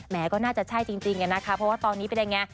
ก็น่าจะใช่จริงนะคะเพราะว่าตอนนี้เป็นยังไง